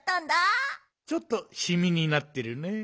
ちょっとシミになってるね。